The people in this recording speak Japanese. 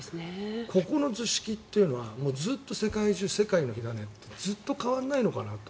ここの図式というのはずっと世界中世界の火種というのはずっと変わらないのかなと。